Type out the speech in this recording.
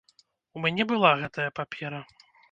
У мяне была гэтая папера.